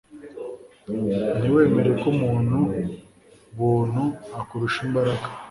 ntiwemere ko umuntu buntu akurusha imbaraga